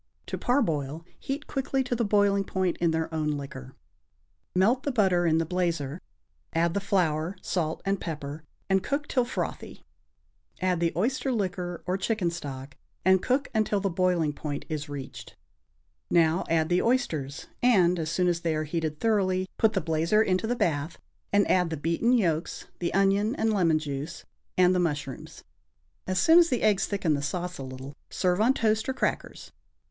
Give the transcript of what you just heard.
(To parboil, heat quickly to the boiling point in their own liquor.) Melt the butter in the blazer, add the flour, salt and pepper, and cook till frothy; add the oyster liquor or chicken stock and cook until the boiling point is reached. Now add the oysters, and, as soon as they are heated thoroughly, put the blazer into the bath and add the beaten yolks, the onion and lemon juice and the mushrooms. As soon as the eggs thicken the sauce a little, serve on toast or crackers.